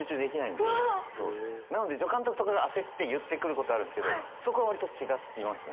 うわ！なので助監督とかが焦って言ってくることあるんですけどそこは割と違いますね。